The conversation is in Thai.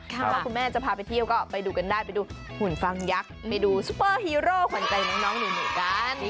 ถ้าคุณแม่จะพาไปเที่ยวก็ไปดูกันได้ไปดูหุ่นฟังยักษ์เมนูซุปเปอร์ฮีโร่ขวัญใจน้องหนูกัน